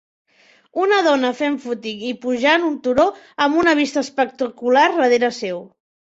Una dona fent fúting i pujant un turó amb una vista espectacular darrera seu